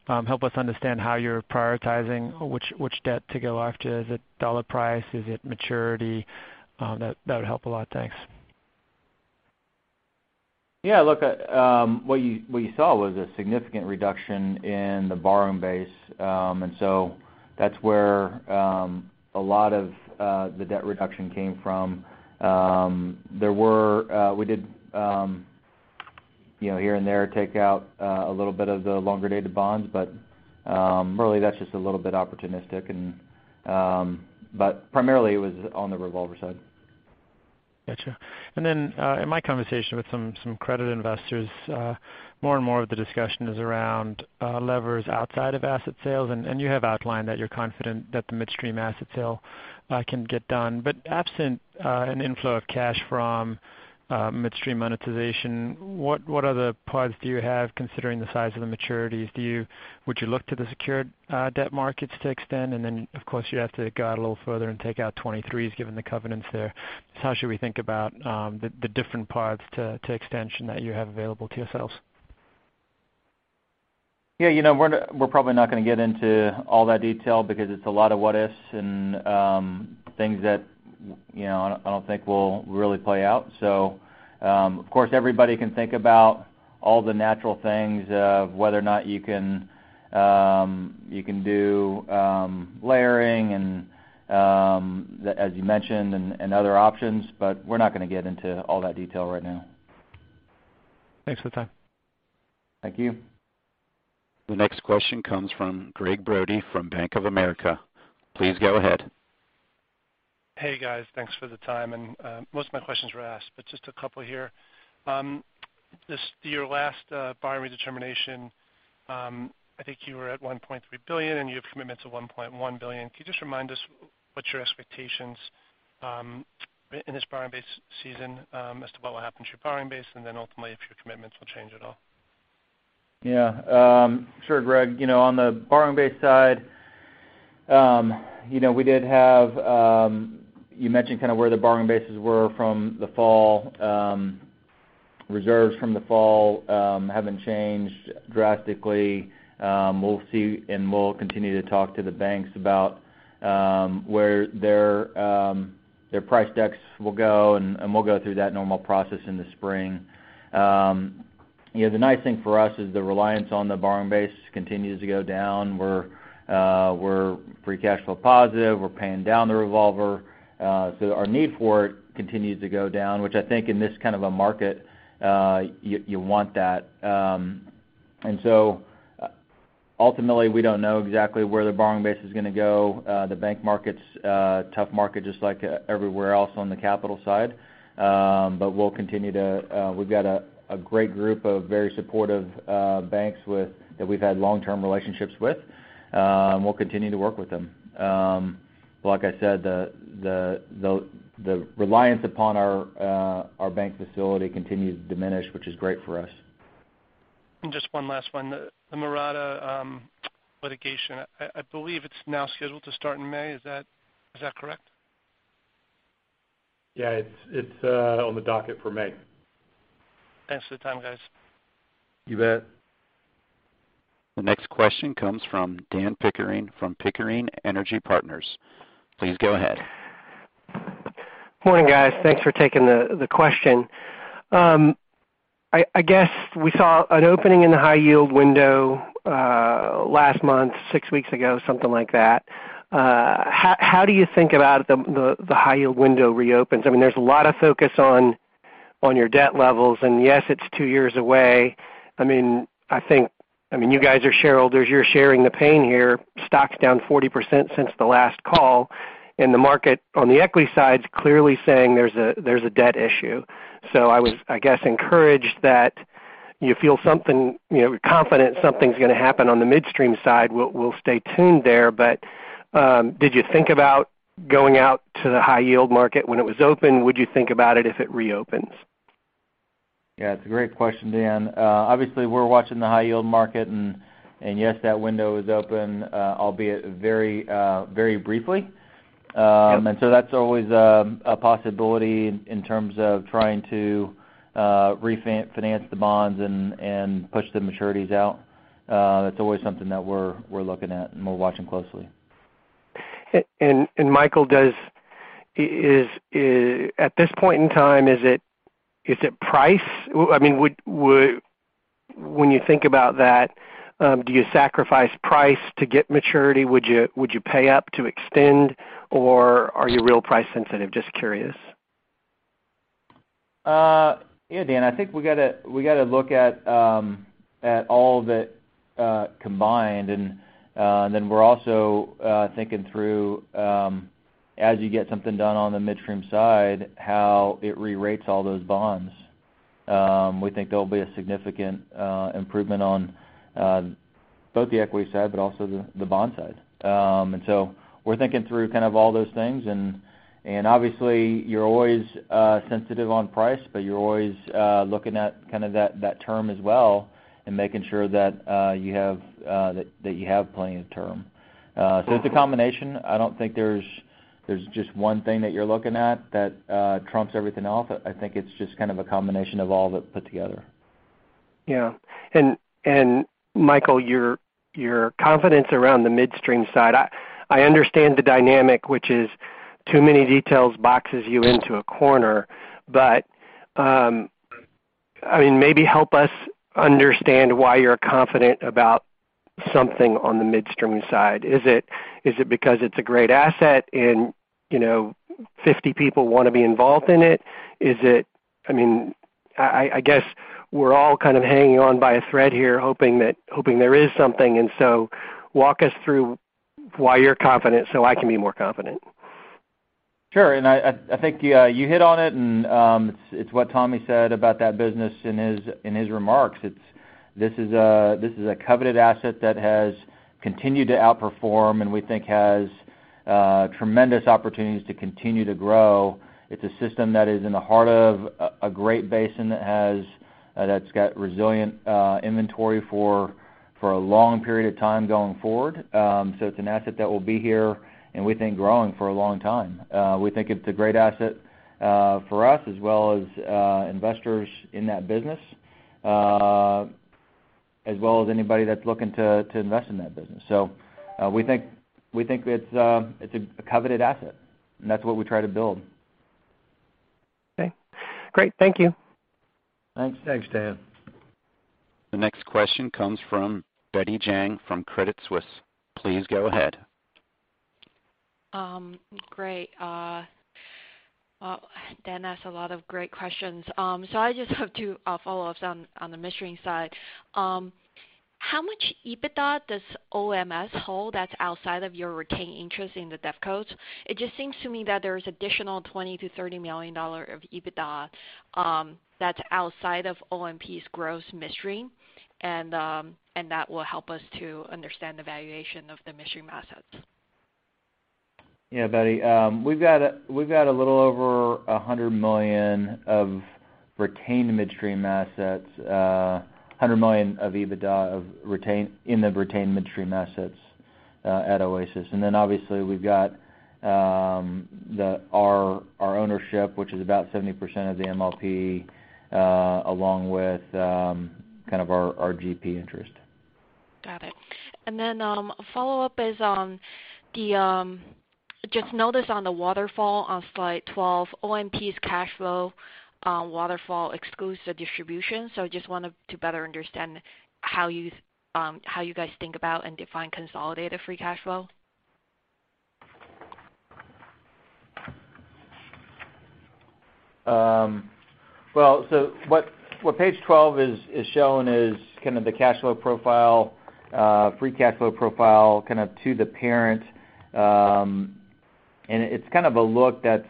help us understand how you're prioritizing which debt to go after? Is it dollar price? Is it maturity? That would help a lot. Thanks. Yeah. Look, what you saw was a significant reduction in the borrowing base. That's where a lot of the debt reduction came from. We did, here and there, take out a little bit of the longer-dated bonds, but really, that's just a little bit opportunistic primarily, it was on the revolver side. Got you. Then, in my conversation with some credit investors, more and more of the discussion is around levers outside of asset sales, and you have outlined that you're confident that the midstream asset sale can get done. Absent an inflow of cash from midstream monetization, what other paths do you have considering the size of the maturities? Would you look to the secured debt markets to extend? Then, of course, you'd have to go out a little further and take out 2023s given the covenants there. How should we think about the different paths to extension that you have available to yourselves? Yeah. We're probably not going to get into all that detail because it's a lot of what-ifs and things that I don't think will really play out. Of course, everybody can think about all the natural things of whether or not you can do layering and as you mentioned, and other options, but we're not going to get into all that detail right now. Thanks for the time. Thank you. The next question comes from Gregg Brody from Bank of America. Please go ahead. Hey, guys. Thanks for the time. Most of my questions were asked, but just a couple here. Your last borrowing determination, I think you were at $1.3 billion, and you have commitments of $1.1 billion. Could you just remind us what your expectations in this borrowing base season as to what will happen to your borrowing base, and then ultimately if your commitments will change at all? Yeah. Sure, Gregg. On the borrowing base side, we did have You mentioned where the borrowing bases were from the fall. Reserves from the fall haven't changed drastically. We'll see, and we'll continue to talk to the banks about where their price decks will go, and we'll go through that normal process in the spring. The nice thing for us is the reliance on the borrowing base continues to go down. We're free cash flow positive. We're paying down the revolver. Our need for it continues to go down, which I think in this kind of a market, you want that. Ultimately, we don't know exactly where the borrowing base is going to go. The bank market's a tough market, just like everywhere else on the capital side. We've got a great group of very supportive banks that we've had long-term relationships with. We'll continue to work with them. Like I said, the reliance upon our bank facility continues to diminish, which is great for us. Just one last one. The Mirada litigation, I believe it's now scheduled to start in May. Is that correct? Yeah. It's on the docket for May. Thanks for the time, guys. You bet. The next question comes from Dan Pickering from Pickering Energy Partners. Please go ahead. Morning, guys. Thanks for taking the question. I guess we saw an opening in the high yield window last month, six weeks ago, something like that. How do you think about the high yield window reopens? There's a lot of focus on your debt levels, and yes, it's two years away. You guys are shareholders, you're sharing the pain here. Stock's down 40% since the last call, and the market on the equity side's clearly saying there's a debt issue. I was encouraged that you feel confident something's going to happen on the midstream side. We'll stay tuned there, but did you think about going out to the high yield market when it was open? Would you think about it if it reopens? Yeah, it's a great question, Dan. Obviously, we're watching the high yield market, and yes, that window is open, albeit very briefly. Yep. That's always a possibility in terms of trying to refinance the bonds and push the maturities out. That's always something that we're looking at and we're watching closely. Michael, at this point in time, is it price? When you think about that, do you sacrifice price to get maturity? Would you pay up to extend, or are you real price sensitive? Just curious. Yeah, Dan, I think we got to look at all of it combined. We're also thinking through, as you get something done on the midstream side, how it re-rates all those bonds. We think there'll be a significant improvement on both the equity side, but also the bond side. We're thinking through kind of all those things, and obviously you're always sensitive on price, but you're always looking at that term as well and making sure that you have plenty of term. It's a combination. I don't think there's just one thing that you're looking at that trumps everything else. I think it's just kind of a combination of all of it put together. Yeah. Michael, your confidence around the midstream side, I understand the dynamic, which is too many details boxes you into a corner, but maybe help us understand why you're confident about something on the midstream side. Is it because it's a great asset, and 50 people want to be involved in it? I guess we're all kind of hanging on by a thread here hoping there is something. Walk us through why you're confident so I can be more confident. Sure. I think you hit on it, and it's what Tommy said about that business in his remarks. This is a coveted asset that has continued to outperform, and we think has tremendous opportunities to continue to grow. It's a system that is in the heart of a great basin that's got resilient inventory for a long period of time going forward. It's an asset that will be here, and we think growing for a long time. We think it's a great asset for us, as well as investors in that business, as well as anybody that's looking to invest in that business. We think it's a coveted asset, and that's what we try to build. Okay, great. Thank you. Thanks. Thanks, Dan. The next question comes from Betty Jiang from Credit Suisse. Please go ahead. Great. Well, Dan asked a lot of great questions. I just have two follow-ups on the midstream side. How much EBITDA does OMS hold that's outside of your retained interest in the DevCo? It just seems to me that there's additional $20 million-$30 million of EBITDA that's outside of OMP's gross midstream, and that will help us to understand the valuation of the midstream assets. Yeah, Betty. We've got a little over $100 million of retained midstream assets, $100 million of EBITDA in the retained midstream assets at Oasis. Obviously we've got our ownership, which is about 70% of the MLP, along with our GP interest. Got it. A follow-up is, just noticed on the waterfall on slide 12, OMP's cash flow waterfall excludes the distribution. Just wanted to better understand how you guys think about and define consolidated free cash flow. Well, what page 12 is showing is kind of the cash flow profile, free cash flow profile to the parent. It's kind of a look that's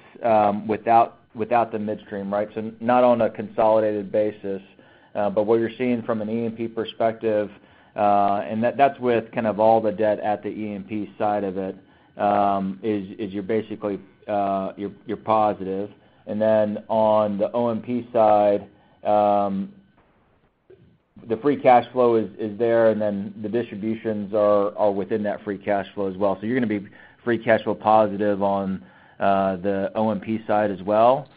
without the midstream, right? Not on a consolidated basis. What you're seeing from an E&P perspective, and that's with all the debt at the E&P side of it, is you're basically positive. On the OMP side, the free cash flow is there, and then the distributions are all within that free cash flow as well. You're going to be free cash flow positive on the OMP side as well.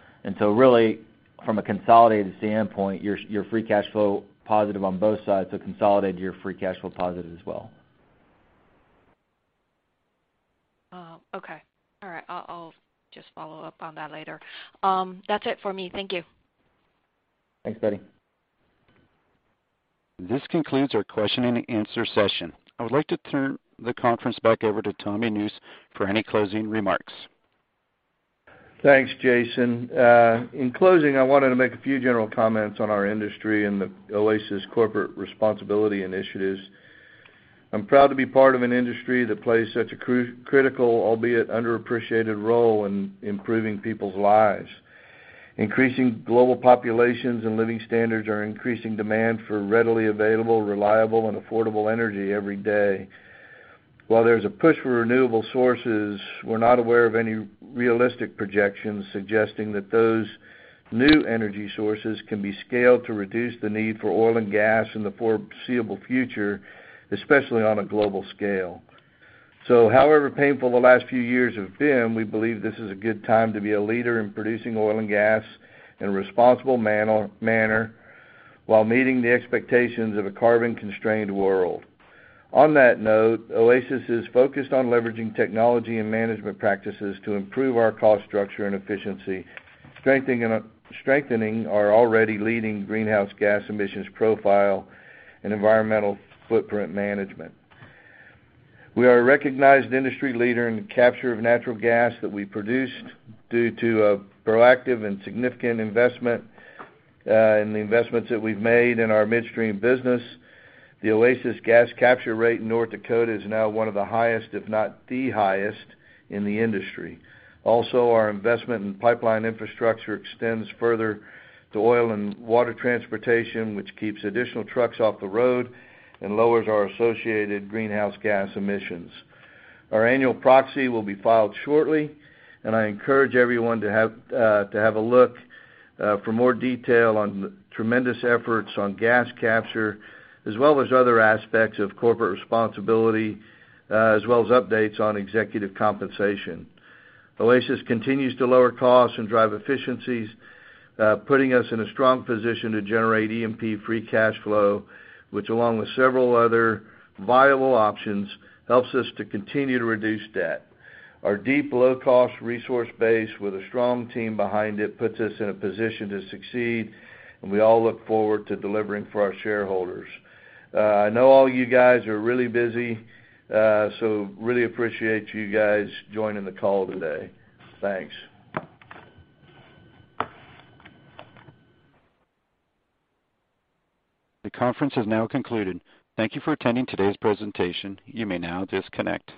Really from a consolidated standpoint, you're free cash flow positive on both sides, so consolidated, you're free cash flow positive as well. I'll just follow up on that later. That's it for me. Thank you. Thanks, Betty. This concludes our question and answer session. I would like to turn the conference back over to Tommy Nusz for any closing remarks. Thanks, Jason. In closing, I wanted to make a few general comments on our industry and the Oasis corporate responsibility initiatives. I'm proud to be part of an industry that plays such a critical, albeit underappreciated role in improving people's lives. Increasing global populations and living standards are increasing demand for readily available, reliable, and affordable energy every day. While there's a push for renewable sources, we're not aware of any realistic projections suggesting that those new energy sources can be scaled to reduce the need for oil and gas in the foreseeable future, especially on a global scale. However painful the last few years have been, we believe this is a good time to be a leader in producing oil and gas in a responsible manner while meeting the expectations of a carbon-constrained world. On that note, Oasis is focused on leveraging technology and management practices to improve our cost structure and efficiency, strengthening our already leading greenhouse gas emissions profile and environmental footprint management. We are a recognized industry leader in the capture of natural gas that we produced due to a proactive and significant investment in the investments that we've made in our midstream business. The Oasis gas capture rate in North Dakota is now one of the highest, if not the highest, in the industry. Also, our investment in pipeline infrastructure extends further to oil and water transportation, which keeps additional trucks off the road and lowers our associated greenhouse gas emissions. Our annual proxy will be filed shortly, and I encourage everyone to have a look for more detail on tremendous efforts on gas capture, as well as other aspects of corporate responsibility, as well as updates on executive compensation. Oasis continues to lower costs and drive efficiencies, putting us in a strong position to generate E&P free cash flow, which, along with several other viable options, helps us to continue to reduce debt. Our deep low-cost resource base with a strong team behind it puts us in a position to succeed, and we all look forward to delivering for our shareholders. I know all you guys are really busy. Really appreciate you guys joining the call today. Thanks. The conference has now concluded. Thank you for attending today's presentation. You may now disconnect.